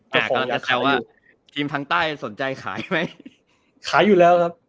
แต่ว่าทีมทางใต้สนใจขายไหมขายอยู่แล้วครับ